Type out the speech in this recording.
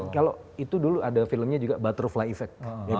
kalau itu dulu ada filmnya juga butterfly effect